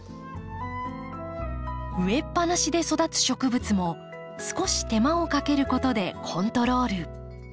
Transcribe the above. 植えっぱなしで育つ植物も少し手間をかけることでコントロール。